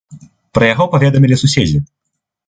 Пра яго паведамілі суседзі.